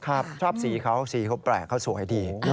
ชอบสีเขาสีเขาแปลกเขาสวยดี